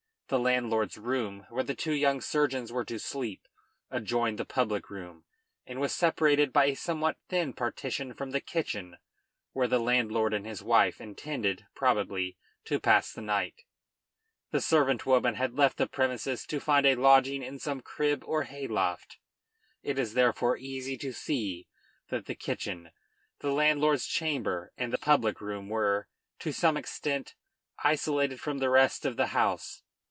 The landlord's room, where the two young surgeons were to sleep, adjoined the public room, and was separated by a somewhat thin partition from the kitchen, where the landlord and his wife intended, probably, to pass the night. The servant woman had left the premises to find a lodging in some crib or hayloft. It is therefore easy to see that the kitchen, the landlord's chamber, and the public room were, to some extent, isolated from the rest of the house.